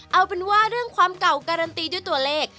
เอาเป็นว่าเรื่องความเก่าการันตีด้วยตัวเลข